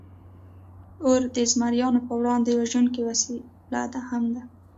اور د زمریانو پر وړاندې وژونکې وسله هم ده.